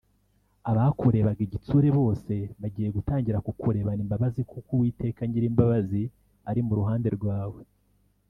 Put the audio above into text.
abakurebaga igitsure bose bagiye gutangira kukurebana imbabazi kuko uwiteka nyirimbabazi ari muruhande rwawe